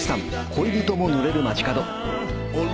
『恋人も濡れる街角』